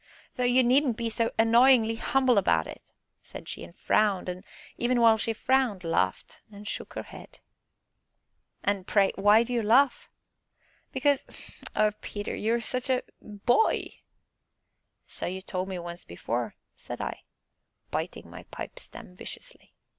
"Though you needn't be so annoyingly humble about it," said she, and frowned, and, even while she frowned, laughed and shook her head. "And pray, why do you laugh?" "Because oh, Peter, you are such a boy!" "So you told me once before," said I, biting my pipe stem viciously.